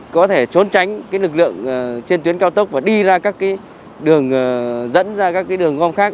có thể trốn tránh lực lượng trên tuyến cao tốc và đi ra các đường dẫn ra các đường gom khác